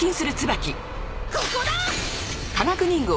ここだ！